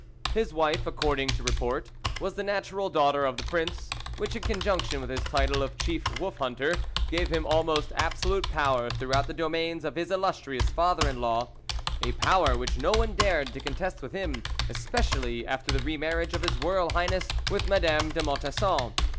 His wife, according to report, was the natural daughter of the Prince, which, in conjunction with his title of chief wolf hunter, gave him almost absolute power throughout the domains of his illustrious father in law, a power which no one dared to contest with him, especially after the re marriage of his Royal Highness with Madame de Montesson.